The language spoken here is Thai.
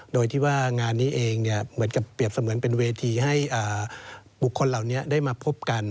โดยที่ว่างานนี้เองเหมือนกับเปรียบเสมือนเป็นเวทีให้บุคคลเหล่านี้ได้มาพบกัน